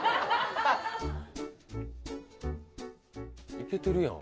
行けてるやん。